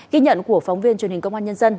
ghi nhận của phóng viên truyền hình công an nhân dân